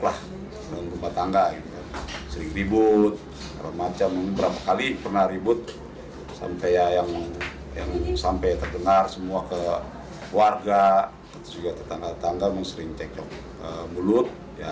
ketika teman teman sering ribut berapa kali pernah ribut sampai terdengar semua ke warga tetangga tetangga sering cekcok mulut